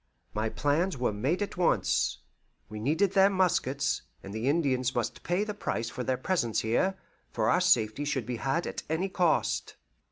My plans were made at once. We needed their muskets, and the Indians must pay the price of their presence here, for our safety should be had at any cost.